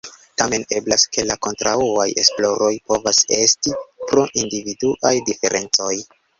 Tamen, eblas ke la kontraŭaj esploroj povas esti pro individuaj diferencoj.